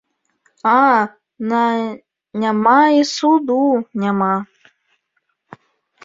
А на няма і суду няма.